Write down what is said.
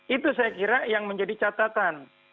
itu saya kira yang menjadi catatan